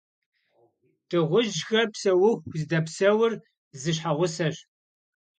Дыгъужьхэр псэуху зыдэпсэур зы щхьэгъусэщ.